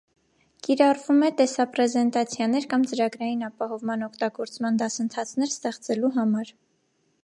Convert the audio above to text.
Կիրառվում է տեսապրեզենտացիաներ կամ ծրագրային ապահովման օգտագործման դասընթացներ ստեղծելու համար։